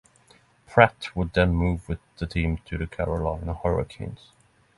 Pratt would then move with the team to the Carolina Hurricanes.